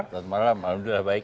selamat malam alhamdulillah baik